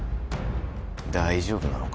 大丈夫なのか？